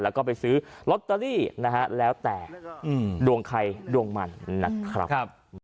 แล้วก็ไปซื้อลอตเตอรี่นะฮะแล้วแต่ดวงใครดวงมันนะครับ